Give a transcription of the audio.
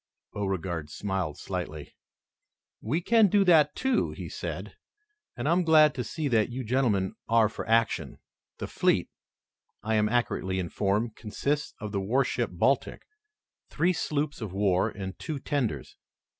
Beauregard smiled slightly. "We can do that, too," he said, "and I am glad to see that you gentlemen are for action. The fleet, I am accurately informed, consists of the warship Baltic, three sloops of war and two tenders.